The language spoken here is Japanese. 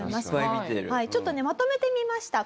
ちょっとねまとめてみました。